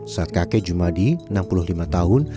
saat kakek jumadi enam puluh lima tahun